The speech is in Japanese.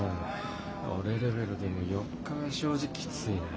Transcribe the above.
俺レベルでも４日は正直きついな。